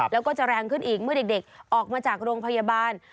แล้วก็จะแรงขึ้นอีกเมื่อเด็กออกมาจากโรงพยาบาล